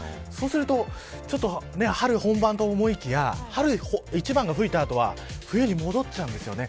そうすると、春本番と思いきや春一番が吹いた後は冬に戻っちゃうんです。